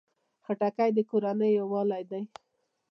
خټکی د کورنۍ یووالي ده.